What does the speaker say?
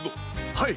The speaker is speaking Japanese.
はい！